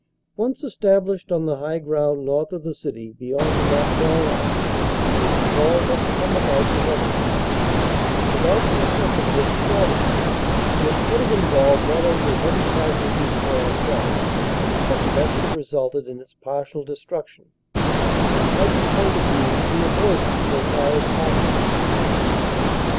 Once estab lished on the high ground north of the city beyond the Mar coing line, and its fall must come about inevitably, without the necessity of storming it, which would have involved not only heavy casualties for ourselves, but must have resulted in its partial destruction, from every point of view to be avoided so far as possible.